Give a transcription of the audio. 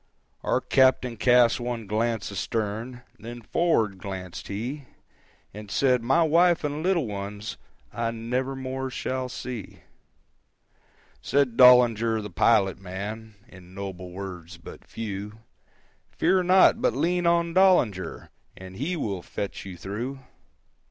Our captain cast one glance astern, Then forward glancèd he, And said, "My wife and little ones I never more shall see." Said Dollinger the pilot man, In noble words, but few,—"Fear not, but lean on Dollinger, And he will fetch you through." 370.